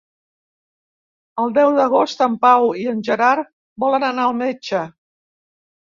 El deu d'agost en Pau i en Gerard volen anar al metge.